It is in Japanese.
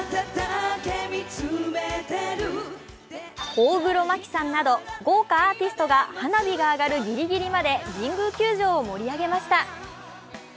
大黒摩季さんなど豪華アーティストが花火が上がるぎりぎりまで神宮球場を盛り上げました。